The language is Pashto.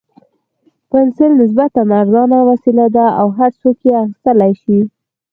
پنسل نسبتاً ارزانه وسیله ده او هر څوک یې اخیستلای شي.